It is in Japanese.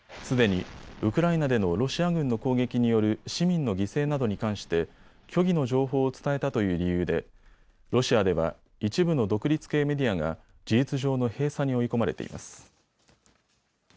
すでにウクライナでのロシア軍の攻撃による市民の犠牲などに関して虚偽の情報を伝えたという理由でロシアでは一部の独立系メディアが事実上の閉鎖に追い込まれています。